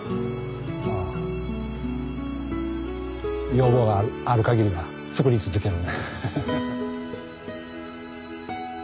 要望があるかぎりは作り続ける。